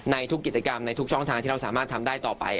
ในทุกกิจกรรมในทุกช่องทางที่เราสามารถทำได้ต่อไป